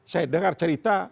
saya dengar cerita